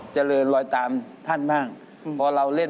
เวลานอ่ะน้องแป้ง